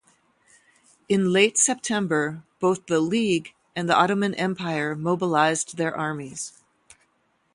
In late September, both the League and the Ottoman Empire mobilized their armies.